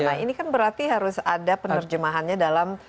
nah ini kan berarti harus ada penerjemahannya dalam